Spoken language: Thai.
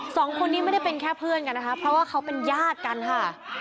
สองคนนี้ไม่ได้เป็นแค่เพื่อนกันนะคะเพราะว่าเขาเป็นญาติกันค่ะ